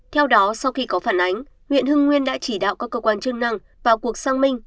theo đó sau khi có phản ánh huyện hưng nguyên đã chỉ đạo các cơ quan chức năng vào cuộc sang minh